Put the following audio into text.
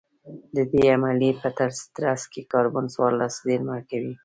د دې عملیې په ترڅ کې کاربن څوارلس زېرمه کوي